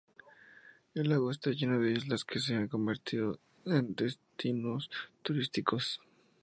El lago está lleno de islas que se han convertido en destinos turísticos.